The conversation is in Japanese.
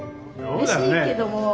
うれしいけども。